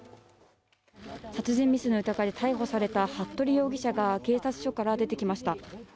殺人未遂の疑いで逮捕された服部容疑者が警察署から出てきました。